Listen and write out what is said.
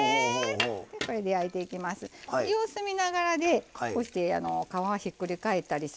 これで焼いていきます。